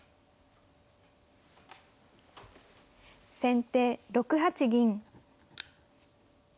先手６八銀。